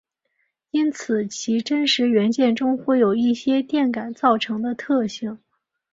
因此其真实元件中会有一些电感造成的特性。